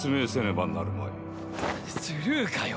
スルーかよ。